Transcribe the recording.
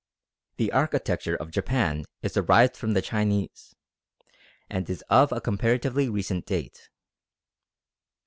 The architecture of Japan is derived from the Chinese, and is of a comparatively recent date.